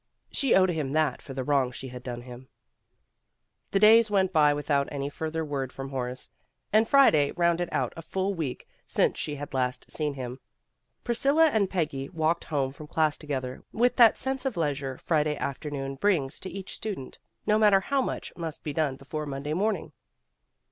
She owed him that for the wrong she had done him. The days went by without any further word from Horace, and Friday rounded out a full week since she had last seen him. Priscilla and Peggy walked home from class together with that sense of leisure, Friday afternoon brings to each student, no matter how much must be 230 DELIVERANCE 231 done before Monday morning.